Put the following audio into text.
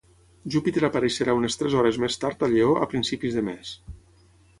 Júpiter apareixerà unes tres hores més tard a Lleó a principis de mes